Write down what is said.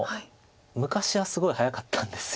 昔はすごい早かったんです。